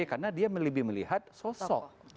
karena dia lebih melihat sosok